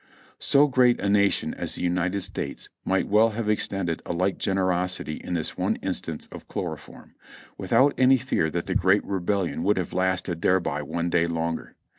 So great a nation as the United States might well have extended a like generosity in this one instance of chloroform, without any fear that the great Re bellion would have lasted thereby one day longer.